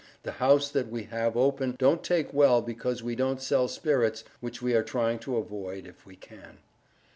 the hous that we have open don't take well because we don't Sell Spirits, which we are trying to avoid if we can.